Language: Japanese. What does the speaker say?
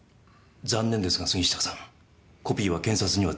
残念ですが杉下さんコピーは検察には提出できません。